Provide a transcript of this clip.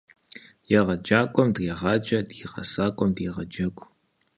Егъэджакӏуэм дрегъаджэ, ди гъэсакӏуэм дегъэджэгу.